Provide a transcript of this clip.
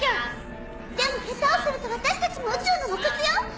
でも下手をするとわたしたちも宇宙のもくずよ」